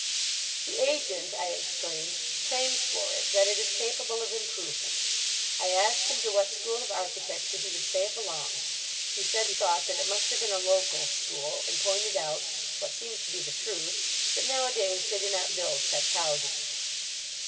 "The agent," I explained, "claims for it that it is capable of improvement. I asked him to what school of architecture he would say it belonged; he said he thought that it must have been a local school, and pointed out—what seems to be the truth—that nowadays they do not build such houses."